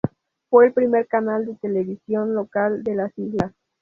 Fue el primer canal de televisión local de las islas.